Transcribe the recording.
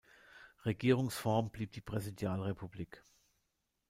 Regierungsform blieb die Präsidialrepublik.